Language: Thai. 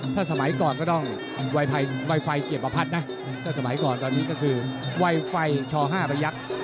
ถ้าสมัยก่อนก็ต้องไวไฟเกียรประพัดนะถ้าสมัยก่อนตอนนี้ก็คือไวไฟช๕ประยักษ์